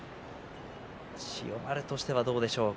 千代丸としてはどうでしょうか。